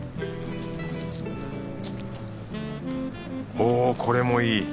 おぉこれもいい。